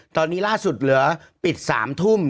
ตอนนี้ล่าสุดเหลือปิด๓ทุ่ม